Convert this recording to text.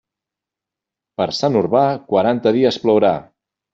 Per Sant Urbà, quaranta dies plourà.